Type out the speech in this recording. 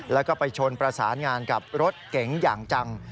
แล้วก็ไปชนประสานงานกับรถเก๋งอย่างจัง